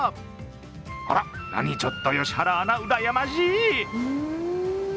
あら、何、ちょっと、良原アナうらやましい！